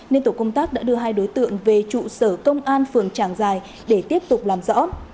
nên tổ công tác đã đưa hai đối tượng về trụ sở công an phường trảng giải để tiếp tục làm rõ